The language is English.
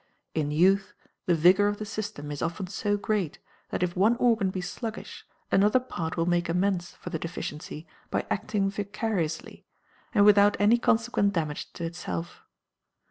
In youth, the vigour of the system is often so great that if one organ be sluggish another part will make amends for the deficiency by acting vicariously, and without any consequent damage to itself.